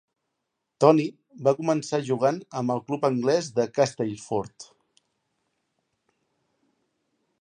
Tony va començar jugant amb el club anglès de Castleford.